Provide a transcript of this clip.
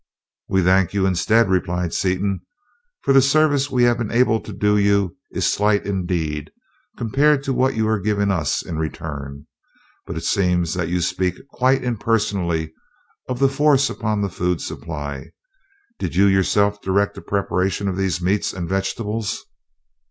"We thank you instead," replied Seaton, "for the service we have been able to do you is slight indeed compared to what you are giving us in return. But it seems that you speak quite impersonally of the force upon the food supply. Did you yourself direct the preparation of these meats and vegetables?"